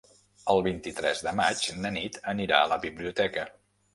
El vint-i-tres de maig na Nit anirà a la biblioteca.